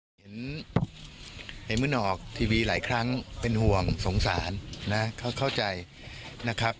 เห็นมึงออกทีวีหลายครั้งเป็นห่วงสงสารนะเขาเข้าใจนะครับ